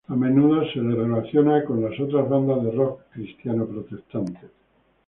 A menudo se los adiciona con las otras bandas de rock cristiano protestante.